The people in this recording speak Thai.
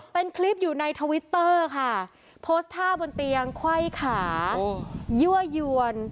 เป็นคลิปอยู่ในทวิตเตอร์ค่ะโพสต์ท่าบนเตียงไข้ขายั่วยวน